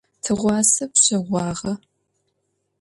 Тыгъуасэ пщэгъуагъэ.